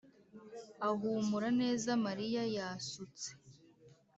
ahumura neza Mariya yasutse